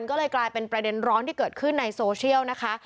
ก็เลยกลายเป็นประเด็นร้อนที่เกิดขึ้นในโซเชียลนะคะ